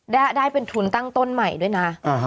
ได้เป็นทุนตั้งต้นใหม่ด้วยนะ